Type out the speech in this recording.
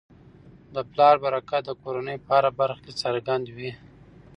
د پلار برکت د کورنی په هره برخه کي څرګند وي.